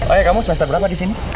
oh iya kamu semester berapa disini